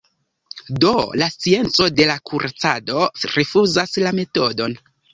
Do la scienco de la kuracado rifuzas la metodon.